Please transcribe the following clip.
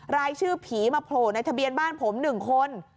รายชื่อผีมาโผล่ในทะเบียนบ้านผม๑คน